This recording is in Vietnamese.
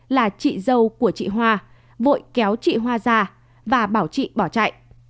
là chị dâu của chị hoà vội kéo chị hoà ra và bảo chị bỏ chạy